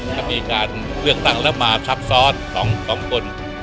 ถ้ามีการเลือกตั้งแล้วมาซับซ้อน๒คน